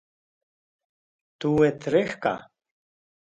tu'et rek̃htu